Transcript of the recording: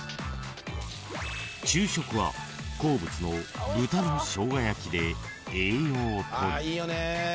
［昼食は好物の豚のしょうが焼きで栄養を取る］